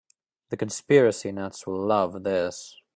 The conspiracy nuts will love this.